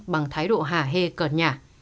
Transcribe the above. bằng thái độ hả hê cợt nhả